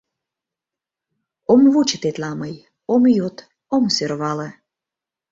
Ом вучо тетла мый, ом йод, ом сöрвале